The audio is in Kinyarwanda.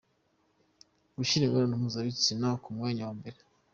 Gushyira imibonano mpuzabitsina ku mwanya wa mbere.